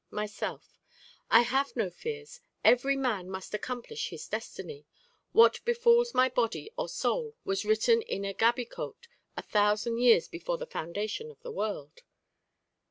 Myself I have no fears; every man must accomplish his destiny: what befalls my body or soul was written in a gabicote a thousand years before the foundation of the world.